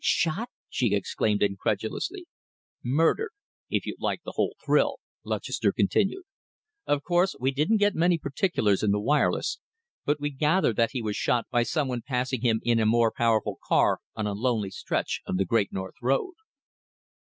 "Shot?" she exclaimed incredulously. "Murdered, if you'd like the whole thrill," Lutchester continued. "Of course, we didn't get many particulars in the wireless, but we gathered that he was shot by some one passing him in a more powerful car on a lonely stretch of the Great North Road."